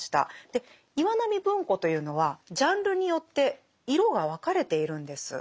で岩波文庫というのはジャンルによって色が分かれているんです。